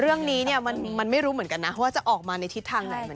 เรื่องนี้มันไม่รู้เหมือนกันนะว่าจะออกมาในทิศทางไหนเหมือนกัน